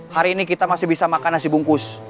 hari ini kita masih bisa makan nasi bungkus